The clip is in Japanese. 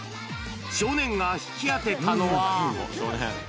少年が引き当てたのは。